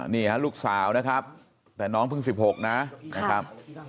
นี่ฮะลูกสาวนะครับแต่น้องเพิ่ง๑๖นะครับ